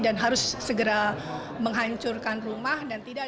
dan harus segera menghancurkan rumah